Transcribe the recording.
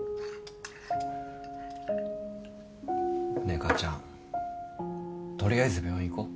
ねえ母ちゃん取りあえず病院行こう。